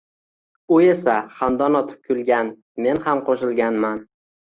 U esa xandon otib kulgan, men ham qo’shilganman…